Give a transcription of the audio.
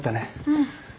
うん。